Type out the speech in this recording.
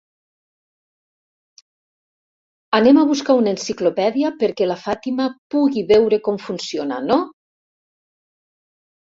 Anem a buscar una enciclopèdia perquè la Fàtima pugui veure com funciona, no?